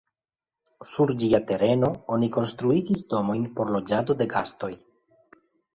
Sur ĝia tereno oni konstruigis domojn por loĝado de gastoj.